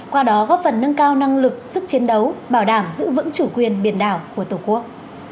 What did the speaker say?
qua đó góp phần nâng cao năng lực sức chiến đấu bảo đảm giữ vững chủ quyền biển đảo của tổ quốc